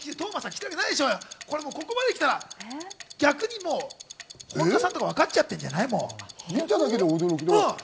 ここまできたら逆にもう、本田さんとか、わかっちゃってるんじゃない？